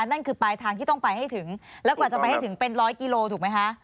นั่นคือปลายทางที่ต้องไปให้ถึงแล้วกว่าจะไปให้ถึงเป็นร้อยกิโลถูกไหมคะ